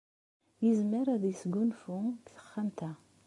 Yezmer ad yesgunfu deg texxamt-a.